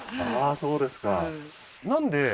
そうですか